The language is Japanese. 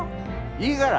いいがら。